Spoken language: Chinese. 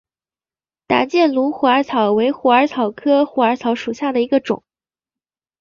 打箭炉虎耳草为虎耳草科虎耳草属下的一个种。